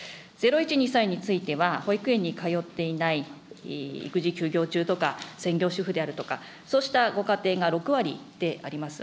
０、１、２歳については保育園に通っていない、育児休業中とか、専業主婦であるとか、そうしたご家庭が６割であります。